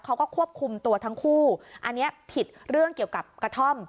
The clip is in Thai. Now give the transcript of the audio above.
เขาก็ควบคุมตัวทั้งคู่อันนี้ผิดเรื่องเกี่ยวกับกระท่อม